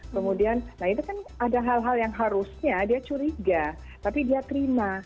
kemudian nah itu kan ada hal hal yang harusnya dia curiga tapi dia terima